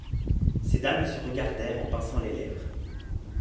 Ces dames se regardèrent en pinçant les lèvres.